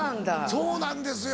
そうなんですよ。